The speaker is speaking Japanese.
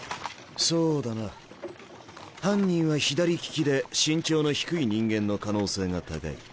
そうだな犯人は左利きで身長の低い人間の可能性が高い。